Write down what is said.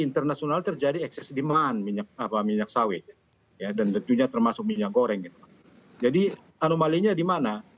ini anomalinya di mana